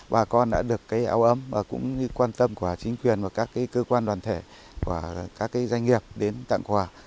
bà con đã được áo ấm và quan tâm của chính quyền và các cơ quan đoàn thể và các doanh nghiệp đến tặng quà